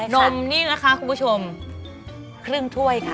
นมนี่นะคะคุณผู้ชมครึ่งถ้วยค่ะ